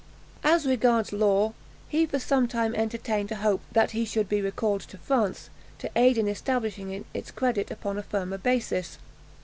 As regards Law, he for some time entertained a hope that he should be recalled to France, to aid in establishing its credit upon a firmer basis.